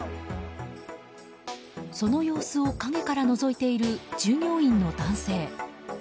その様子を陰からのぞいている従業員の男性。